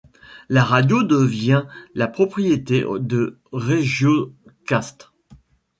La radio devient la propriété de Regiocast.